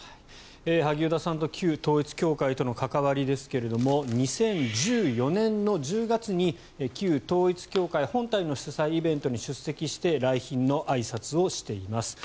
萩生田さんと旧統一教会との関わりですが２０１４年の１０月に旧統一教会本体の主催イベントに出席して来賓のあいさつをしています。